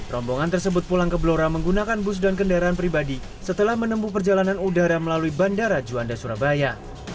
rombongan tersebut pulang ke blora menggunakan bus dan kendaraan pribadi setelah menempuh perjalanan udara melalui bandara juanda surabaya